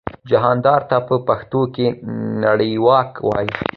جهاندار ته په پښتو کې نړیواک وايي.